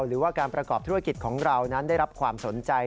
หรือว่าการประกอบธุรกิจของเรานั้นได้รับความสนใจ